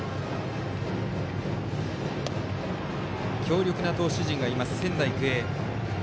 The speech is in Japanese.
強力な投手陣がいます仙台育英。